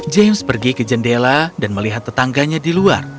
james pergi ke jendela dan melihat tetangganya di luar